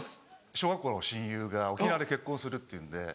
小学校の親友が沖縄で結婚するっていうんで。